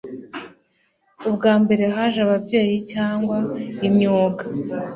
Ubwa mbere haje ababyeyi cyangwa imyuga.